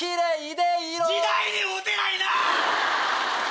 時代に合うてないな！